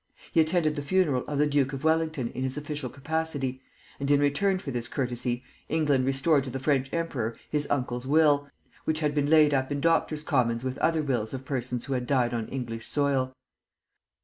He attended the funeral of the Duke of Wellington in his official capacity, and in return for this courtesy England restored to the French emperor his uncle's will, which had been laid up in Doctor's Commons with other wills of persons who had died on English soil.